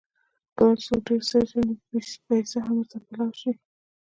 کله چې څوک ډېر ستړی شي، نو پېڅه هم ورته پلاو شي.